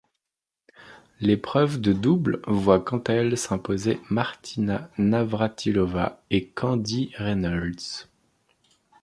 L'épreuve de double voit quant à elle s'imposer Martina Navrátilová et Candy Reynolds.